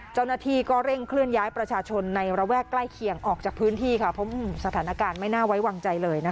เจ้าหน้าที่ก็เร่งเคลื่อนย้ายประชาชนในระแวกใกล้เคียงออกจากพื้นที่ค่ะเพราะสถานการณ์ไม่น่าไว้วางใจเลยนะคะ